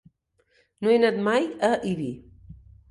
No he anat mai a Ibi.